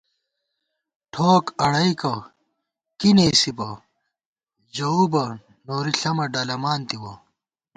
ٹھوک اڑَیئیکَہ کی نېسِبہ ژَؤبَہ نوری ݪمہ ڈلَمان تِوَہ